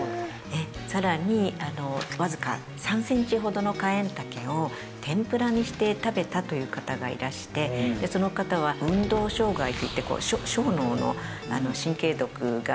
さらにわずか３センチほどのカエンタケを天ぷらにして食べたという方がいらしてその方は運動障害といって小脳の神経毒が回るんですね。